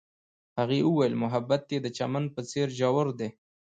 هغې وویل محبت یې د چمن په څېر ژور دی.